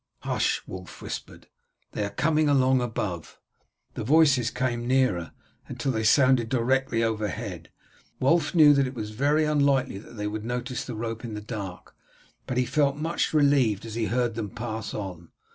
"Hush!" Wulf whispered, "they are coming along above." The voices came nearer until they sounded directly overhead Wulf knew that it was very unlikely they would notice the rope in the dark, but he felt much relieved as he heard them pass on.